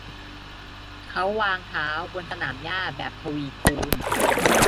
เขาวางเท้าบนสนามหญ้าแบบทวีคูณ